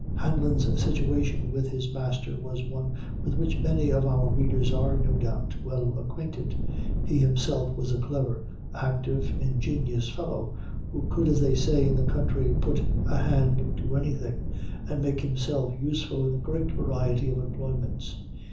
Hanlon's situation with his master was one with which many of our readers are, no doubt, well acquainted. He himself was a clever, active, ingenious fellow, who could, as they say in the country, put a hand to anything, and make himself useful in a great variety of employments.